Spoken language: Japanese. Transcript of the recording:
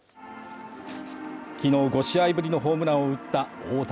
昨日５試合ぶりのホームランを打った大谷